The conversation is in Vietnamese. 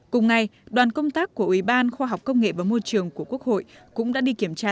cùng ngày đoàn công tác của ủy ban khoa học công nghệ và môi trường của quốc hội cũng đã đi kiểm tra